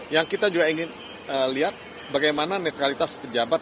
yang kita juga ingin lihat bagaimana netralitas pejabat